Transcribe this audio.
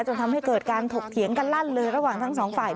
จนทำให้เกิดการถกเถียงกันลั่นเลยระหว่างทั้งสองฝ่าย